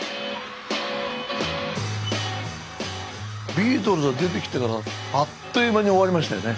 ビートルズが出てきてからあっという間に終わりましたよね。